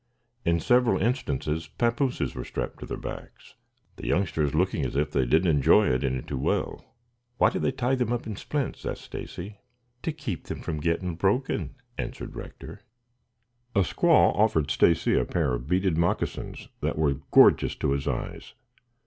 In several instances papooses were strapped to their backs, the youngsters looking as if they did not enjoy it any too well. "Why do they tie them up in splints?" asked Stacy. "To keep them from getting broken," answered Rector. A squaw offered Stacy a pair of beaded moccasins that were gorgeous to his eyes.